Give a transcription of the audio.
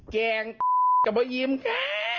แกงก็ไม่ยิมค่ะ